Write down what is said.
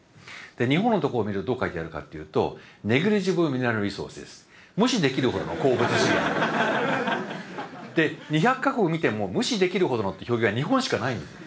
日本のところを見るとどう書いてあるかっていうと２００か国見ても「無視できるほどの」って表現は日本しかないんです。